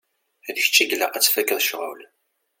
D kečč i ilaq ad tfakkeḍ ccɣel.